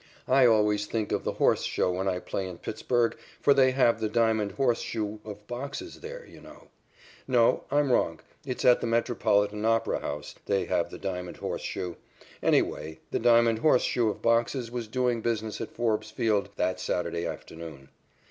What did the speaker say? I always think of the horse show when I play in Pittsburg, for they have the diamond horse shoe of boxes there, you know. No; I'm wrong it's at the Metropolitan Opera House they have the diamond horse shoe. Any way, the diamond horse shoe of boxes was doing business at Forbes Field that Saturday afternoon.